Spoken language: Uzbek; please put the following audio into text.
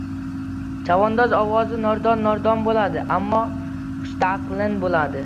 Chavandoz ovozi nordon-nordon bo‘ldi, ammo xushtalqin bo‘ldi: